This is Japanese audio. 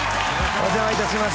お邪魔いたします